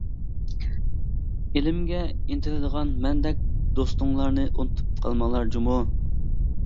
ئىلىمگە ئىنتىلىدىغان مەندەك دوستۇڭلارنى ئۇنتۇپ قالماڭلار-جۇمۇ!